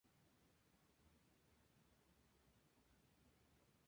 Por esos días el capitán Luis de Quintanilla debió abandonar el cerco de Alaejos.